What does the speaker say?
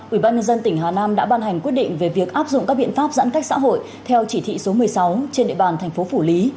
ủy ban nhân dân tỉnh hà nam đã ban hành quyết định về việc áp dụng các biện pháp giãn cách xã hội theo chỉ thị số một mươi sáu trên địa bàn thành phố phủ lý